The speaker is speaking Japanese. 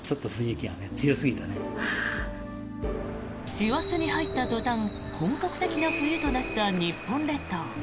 師走に入った途端本格的な冬となった日本列島。